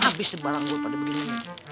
abis deh barang gua pada begini